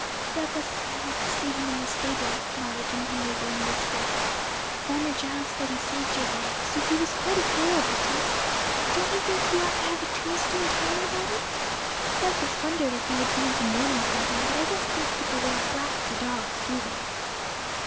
'Douglas and I went to see him in the stable,' Molly continued in a whisper. 'Farmer Giles said he saved your life; so he was quite a hero, Betty. Don't you think he ought to have a tombstone telling about it? Douglas wondered if you would go into mourning for him; but I don't think people wear black for dogs, do they?'